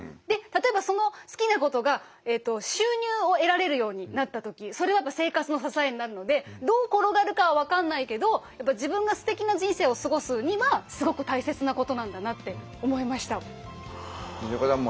で例えばその好きなことが収入を得られるようになった時それはやっぱ生活の支えになるのでどう転がるかは分かんないけど自分がすてきな人生を過ごすにはすごく大切なことなんだなって思いました。